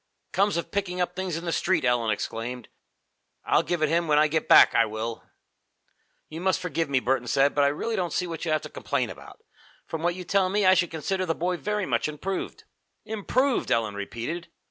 "Comes of picking up things in the street!" Ellen exclaimed. "I'll give it him when I get back, I will!" "You must forgive me," Burton said, "but I really don't see what you have to complain about. From what you tell me, I should consider the boy very much improved." "Improved!" Ellen repeated.